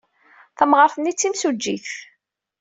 Tamɣart-nni d timsujjit.